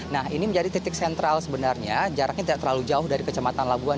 nah ini menjadi titik sentral sebenarnya jaraknya tidak terlalu jauh dari kecamatan labuan